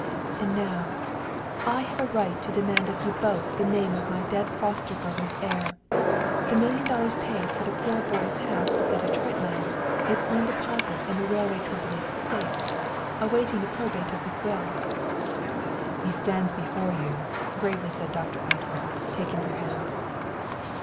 "And now, I have a right to demand of you both the name of my dead foster brother's heir. The million dollars paid for the poor boy's half of the Detroit lands is on deposit in the Railway Company's safes, awaiting the probate of his will." "HE STANDS BEFORE YOU," gravely said Doctor Atwater, taking her hand.